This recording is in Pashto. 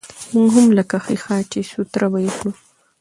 موږ هم لکه ښيښه، چې سوتره به يې کړو.